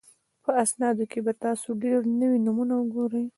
په اسنادو کې به تاسو ډېر نوي نومونه وګورئ